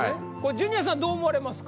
ジュニアさんどう思われますか？